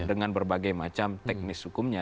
dengan berbagai macam teknis hukumnya